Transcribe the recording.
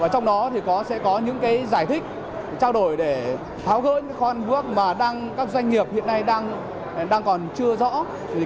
trong đó sẽ có những giải thích trao đổi để tháo gỡ những con bước mà các doanh nghiệp hiện nay đang còn chưa rõ